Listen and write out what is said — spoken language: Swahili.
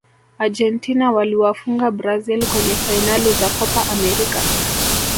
argentina waliwafunga brazil kwenye fainali za kopa amerika